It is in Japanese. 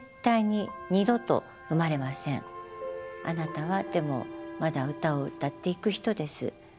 あなたはでもまだ歌を歌っていく人です。